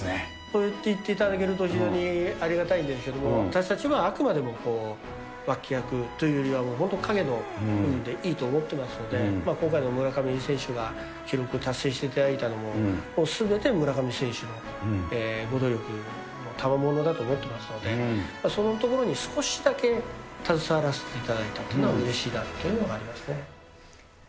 そう言っていただけると、ありがたいんですけれども、私たちはあくまでも脇役というよりは、本当、陰の部分でいいと思っていますので、今回の村上選手が記録を達成していただいたのも、すべて村上選手のご努力の賜物だと思っていますので、そこのところに少しだけ携わらせていただいたというのは、うれしいなと思い